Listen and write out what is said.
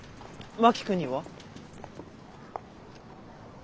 真木君には？